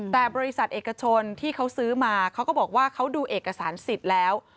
แต่บริษัทเอกชนที่เขาซื้อมาเขาก็บอกว่าเขาดูเอกสารสิทธิ์แล้ว